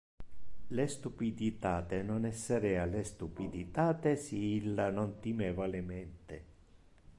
Le stupiditate non esserea le stupiditate si illa non timeva le mente.